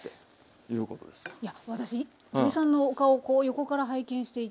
いや私土井さんのお顔をこう横から拝見していて。